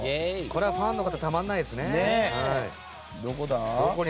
ファンの方はたまらないですね。